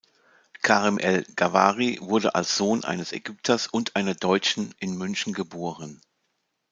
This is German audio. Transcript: Karim El-Gawhary wurde als Sohn eines Ägypters und einer Deutschen in München geboren.